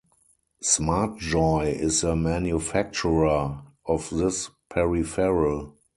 SmartJoy is the manufacturer of this peripheral.